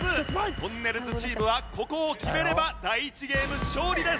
とんねるずチームはここを決めれば第１ゲーム勝利です。